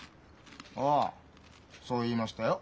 ああそう言いましたよ。